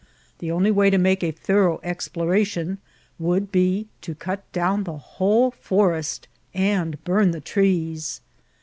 The only way to make a thorough exploration would be to cut down the whole forest and bum the trees.